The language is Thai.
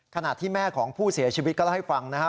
ขณะที่แม่ของผู้เสียชีวิตก็เล่าให้ฟังนะฮะ